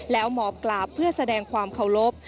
แล้วหมอบกราบเพื่อแสดงความเคารพ